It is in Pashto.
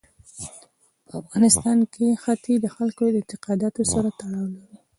په افغانستان کې ښتې د خلکو د اعتقاداتو سره تړاو لري.